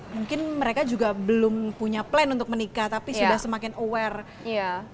mungkin mereka juga belum punya plan untuk menikah tapi sudah semakin aware